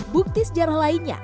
bukti sejarah lainnya